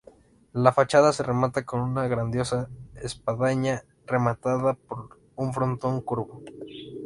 La fachada se remata con una graciosa espadaña rematada por un frontón curvo.